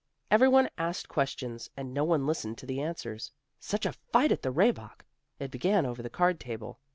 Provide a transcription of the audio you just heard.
Everyone asked questions, and no one listened to the answers. Such a fight at the Rehbock! It began over the card table.